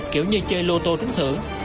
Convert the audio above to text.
kiểu như chơi lô tô trúng thưởng